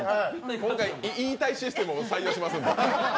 今回、言いたいシステムは採用しませんので。